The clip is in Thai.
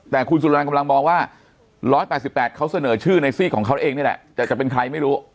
แต่คุณสุรันกำลังมองว่า๑๘๘เขาเสนอชื่อในซีกของเขาเองนี่แหละแต่จะเป็นใครไม่รู้